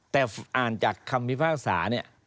แต่อ่านจากคำพิพากษาเนี่ย